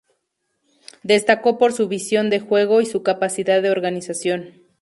Destacó por su visión de juego y su capacidad de organización.